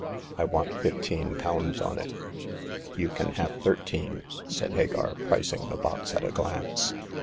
I want fifteen pounds on it." " You can have thirteen," said Hagar, pricing the box at a glance.